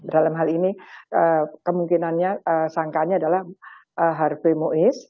dalam hal ini kemungkinannya sangkanya adalah harvey muiz